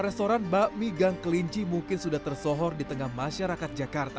restoran bakmi gang kelinci mungkin sudah tersohor di tengah masyarakat jakarta